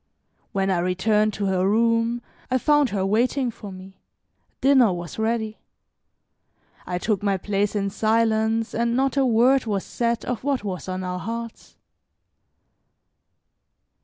When I returned to her room, I found her waiting for me; dinner was ready. I took my place in silence, and not a word was said of what was on our hearts.